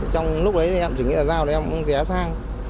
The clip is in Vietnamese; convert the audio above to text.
trong lúc đấy em chỉ nghĩ là dao thì em cũng rẽ sang